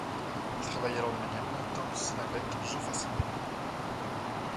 Il travaille alors de manière intense avec Jean Fassina.